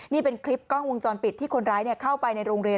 นี่เป็นคลิปกล้องวงจรปิดที่คนร้ายเข้าไปในโรงเรียน